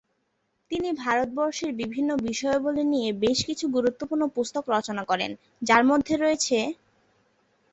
তিনি ভারতবর্ষের বিভিন্ন বিষয়াবলী নিয়ে বেশ কিছু গুরুত্বপূর্ণ পুস্তক রচনা করেন, যার মধ্যে রয়েছেঃ